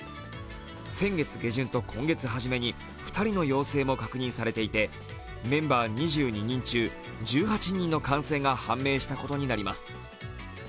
先月下旬と今月初めに２人の陽性も確認されていてメンバー２２人中１８人の感染が判明したことになります。